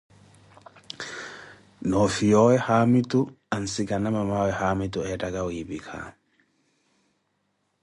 Noofiyaza owaawe haamitu ansikana mamaawe haamitu eettaka wiipika.